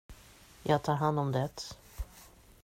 Jag tar hand om det.